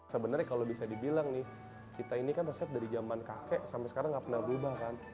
sebenarnya kalau bisa dibilang nih kita ini kan resep dari zaman kakek sampai sekarang nggak pernah berubah kan